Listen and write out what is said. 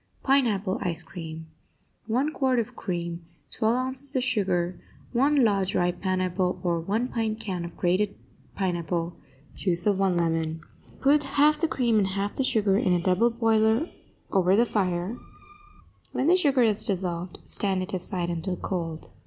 PINEAPPLE ICE CREAM 1 quart of cream 12 ounces of sugar 1 large ripe pineapple or 1 pint can of grated pineapple Juice of one lemon Put half the cream and half the sugar in a double boiler over the fire; when the sugar is dissolved, stand it aside until cold.